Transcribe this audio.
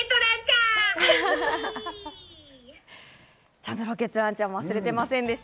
ちゃんとロケットランチャーも忘れていませんでした。